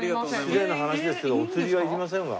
失礼な話ですけどお釣りはいりませんわ。